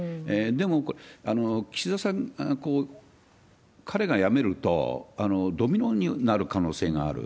でも、岸田さん、彼が辞めると、ドミノになる可能性がある。